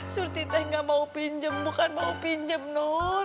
suti teh gak mau pinjem bukan mau pinjem non